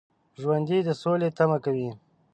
ژوندي د سولې تمه کوي